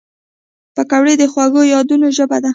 پکورې د خوږو یادونو ژبه ده